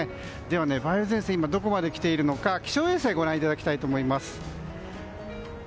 では梅雨前線今どこまで来ているのか気象衛星をご覧いただきたいと思います。